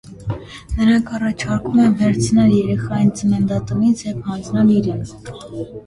Նրանք առաջարկում են վերցնել երեխային ծննդատնից և հանձնել իրենց։